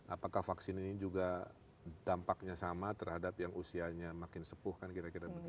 apakah vaksin ini juga dampaknya sama terhadap yang usianya makin sepuh kan kira kira begitu